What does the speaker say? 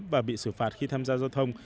và bị xử phạt khi tham gia giao thông